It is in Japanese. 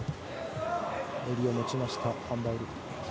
襟を持ちましたアン・バウル。